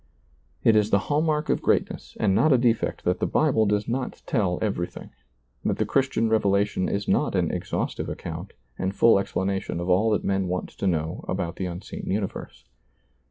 It is the hall mark of greatness and not a defect that the Bible does not tell everything, that the Christian revelation is not an exhaustive account and full explanation of all that men want to know about the unseen universe.